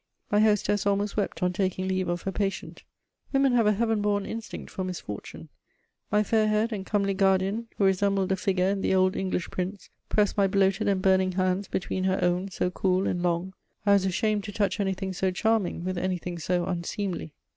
My hostess almost wept on taking leave of her patient: women have a heaven born instinct for misfortune. My fair haired and comely guardian, who resembled a figure in the old English prints, pressed my bloated and burning hands between her own, so cool and long; I was ashamed to touch anything so charming with anything so unseemly.